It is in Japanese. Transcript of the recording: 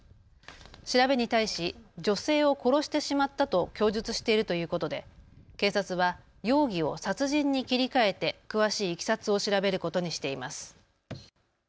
調べに対し女性を殺してしまったと供述しているということで警察は容疑を殺人に切り替えて詳しいいきさつを調べることにしています。